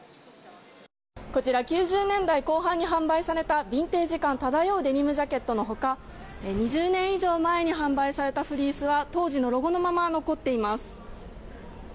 こちら９０年代後半に販売された、ビンテージ感漂うデニムジャケットの他２０年以上前に販売されたフリースは当時のロゴのまま残っています。